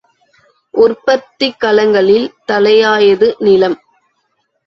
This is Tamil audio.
உற்பத்திக் களங்களில் தலையாயது நிலம்.